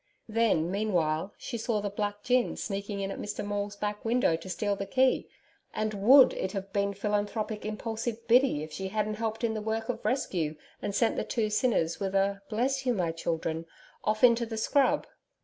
Then meanwhile, she saw the black gin sneaking in at Mr Maule's back window to steal the key; and WOULD it have been philanthropic, impulsive Biddy, if she hadn't helped in the work of rescue, and sent the two sinners, with a 'Bless you, my children!' off into the scrub?